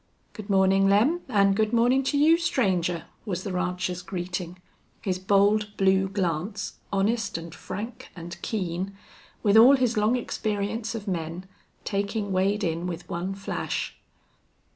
"Good mornin', Lem, an' good moinin' to you, stranger," was the rancher's greeting, his bold, blue glance, honest and frank and keen, with all his long experience of men, taking Wade in with one flash.